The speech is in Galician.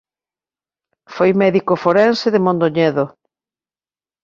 Foi médico forense de Mondoñedo.